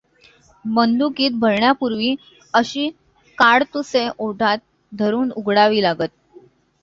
बंदुकीत भरण्यापूर्वी अशी काडतुसे ओठात धरून उघडावी लागत.